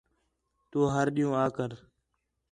تو ہر ݙِین٘ہوں آ کر